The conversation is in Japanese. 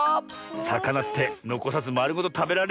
さかなってのこさずまるごとたべられるんですね。